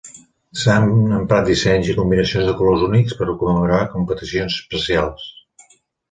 S'han emprat dissenys i combinacions de colors únics per commemorar competicions especials.